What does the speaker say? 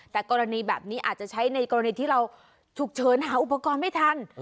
แต่กรณีแบบนี้อาจจะใช้ในกรณีที่เราฉุกเฉินหาอุปกรณ์ไม่ทัน